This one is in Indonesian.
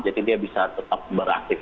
jadi dia bisa tetap beraktif